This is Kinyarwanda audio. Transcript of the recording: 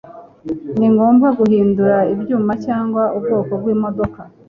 ni ngombwa guhindura ibyuma cyangwa ubwoko bw'imodoka